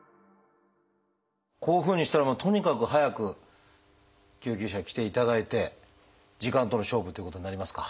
こういうふうにしたらとにかく早く救急車に来ていただいて時間との勝負ということになりますか？